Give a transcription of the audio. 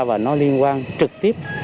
và nó liên quan trực tiếp